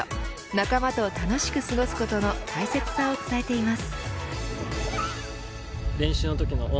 仲間と楽しく過ごすことの大切さを伝えています。